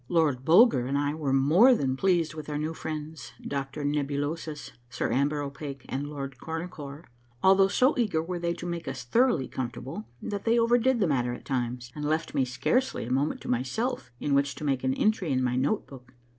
Lord Bulger and I were more than pleased with our new friends, Doctor Nebulosus, Sir Amber O'Pake, and Lord Cornu core, although so eager were they to make us thoroughly comfortable, that they overdid the matter at times, and left me scarcely a moment to myself in which to make an entry in my notebook.